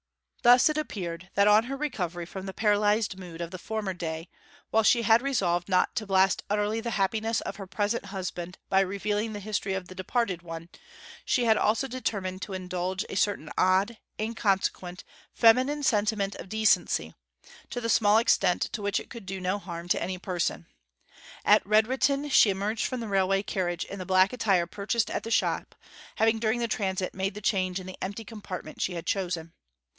Thus it appeared that, on her recovery from the paralysed mood of the former day, while she had resolved not to blast utterly the happiness of her present husband by revealing the history of the departed one, she had also determined to indulge a certain odd, inconsequent, feminine sentiment of decency, to the small extent to which it could do no harm to any person. At Redrutin she emerged from the railway carnage in the black attire purchased at the shop, having during the transit made the change in the empty compartment she had chosen.